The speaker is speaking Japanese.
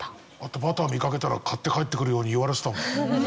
バター見かけたら買って帰ってくるように言われてたもん。